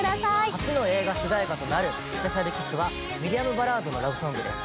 初の映画主題歌となる『ＳｐｅｃｉａｌＫｉｓｓ』はミディアムバラードのラブソングです。